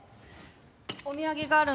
お土産があるんだ。